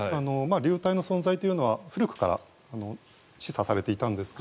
流体の存在というのは古くから示唆されていたんですが